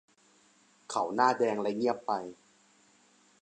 เขาหน้าแดงและเงียบไป